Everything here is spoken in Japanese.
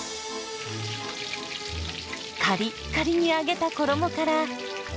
カリッカリに揚げた衣から。